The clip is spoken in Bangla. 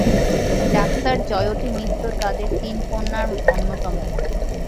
ডাক্তারজয়তী মিত্র তাদের তিন কন্যার অন্যতম।